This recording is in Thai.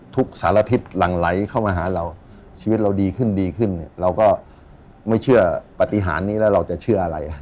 ทุกสารทิศหลั่งไหลเข้ามาหาเราชีวิตเราดีขึ้นดีขึ้นเนี่ยเราก็ไม่เชื่อปฏิหารนี้แล้วเราจะเชื่ออะไร